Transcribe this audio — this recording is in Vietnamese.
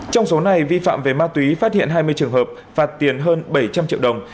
trong số này vi phạm về ma túy phát hiện hai mươi trường hợp phạt tiền hơn bảy trăm linh triệu đồng